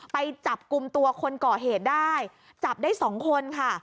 ไปจับกลุ่มตัวคนก่อเหตุได้จับได้สองคนค่ะ